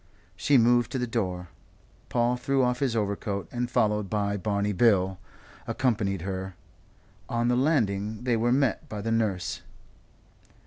She moved to the door. Paul threw off his overcoat and, followed by Barney Bill, accompanied her. On the landing they were met by the nurse.